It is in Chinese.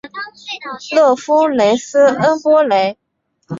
勒夫雷斯恩波雷。